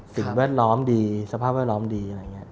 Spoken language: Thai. สิ่งสภาพแวดล้อมดี